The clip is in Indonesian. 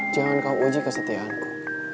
jangan kau uji kesetiaanku